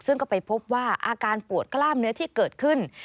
ซึ่งก็ไปพบว่าอาการปวดกล้ามเนื้อที่เกิดขึ้น